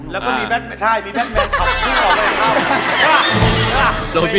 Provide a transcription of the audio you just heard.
แล้วก็มีแบทแมนของเราด้วยครับ